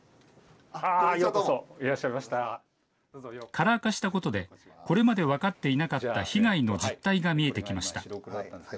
カラー化したことで、これまで分かっていなかった被害の実態が見えてきました。